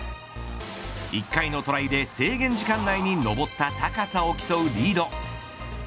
１回のトライで制限時間内に上った高さを競うリード。